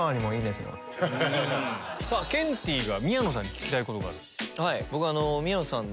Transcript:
ケンティーが宮野さんに聞きたいことがあると。